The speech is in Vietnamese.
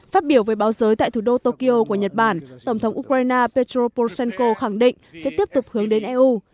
phát biểu với báo giới tại thủ đô tokyo của nhật bản tổng thống ukraine petro pohenko khẳng định sẽ tiếp tục hướng đến eu